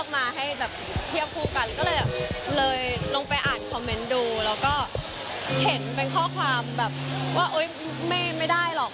แล้วก็เห็นเป็นข้อความว่าไม่ได้หรอก